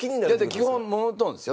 基本モノトーンですよ